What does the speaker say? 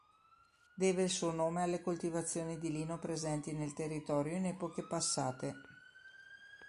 Deve il suo nome alle coltivazioni di lino presenti nel territorio in epoche passate.